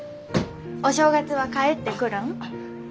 お正月は帰ってくるん？